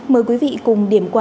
mời quý vị cùng điểm qua